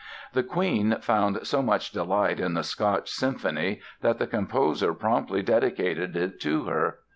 The Queen found so much delight in the "Scotch" Symphony that the composer promptly dedicated it to her.